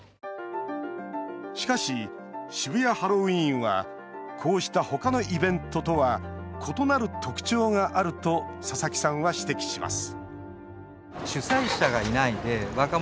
しかし、渋谷ハロウィーンはこうした他のイベントとは異なる特徴があると佐々木さんは指摘します